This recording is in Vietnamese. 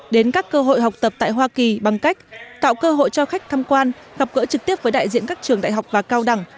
đến các cơ hội học tập tại hoa kỳ bằng cách tạo cơ hội cho khách tham quan gặp gỡ trực tiếp với đại diện các trường đại học và cao đẳng